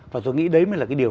và tôi nghĩ đấy mới là cái điều